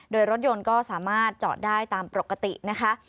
โดยรถยนต์ก็สามารถจอดได้ตามปกตินะคะ